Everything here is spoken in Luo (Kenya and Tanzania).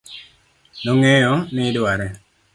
nong'eyo ni idware